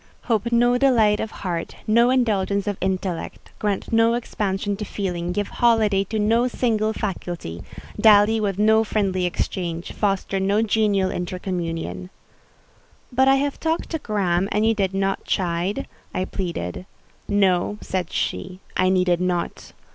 Hope no delight of heart—no indulgence of intellect: grant no expansion to feeling—give holiday to no single faculty: dally with no friendly exchange: foster no genial intercommunion…." "But I have talked to Graham and you did not chide," I pleaded. "No," said she, "I needed not.